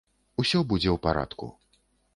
Усё будзе ў парадку.